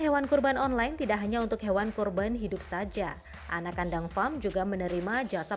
hewan kurban online tidak hanya untuk hewan kurban hidup saja anak kandang farm juga menerima jasa